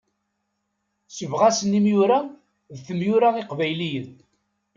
Sebɣasen imyura, d temyura iqbayliyen.